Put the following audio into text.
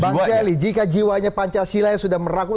bang celi jika jiwanya pancasila yang sudah meraku